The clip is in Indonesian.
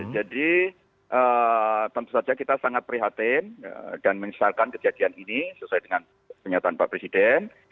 jadi tentu saja kita sangat perhatian dan menyesuaikan kejadian ini sesuai dengan pernyataan pak presiden